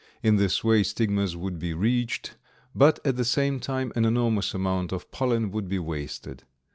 In this way stigmas would be reached, but at the same time an enormous amount of pollen would be wasted.